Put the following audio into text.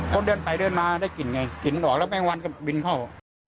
คนเดินไปเดินมาได้กลิ่นไงกลิ่นออกแล้วแมงวันก็บินเข้า